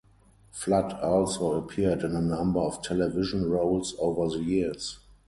Flood also appeared in a number of television roles over the years.